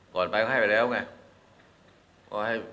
ไปก็ให้ไปแล้วไง